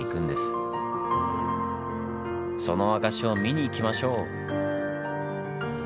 その証しを見に行きましょう！